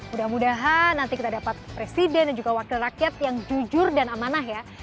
mudah mudahan nanti kita dapat presiden dan juga wakil rakyat yang jujur dan amanah ya